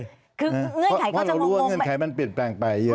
เพราะเรารู้ว่าเงื่อนไขมันเปลี่ยนแปลงไปเยอะเพราะเรารู้ว่าเงื่อนไขมันเปลี่ยนแปลงไปเยอะ